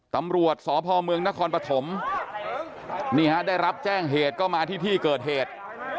ตำรวจสพเมืองนครปฐมนี่ฮะได้รับแจ้งเหตุก็มาที่ที่เกิดเหตุ